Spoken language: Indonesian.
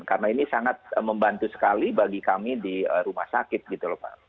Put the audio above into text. karena ini sangat membantu sekali bagi kami di rumah sakit gitu loh pak